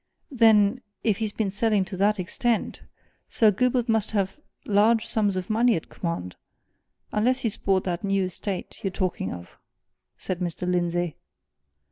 "Then, if he's been selling to that extent, Sir Gilbert must have large sums of money at command unless he's bought that new estate you're talking of," said Mr. Lindsey.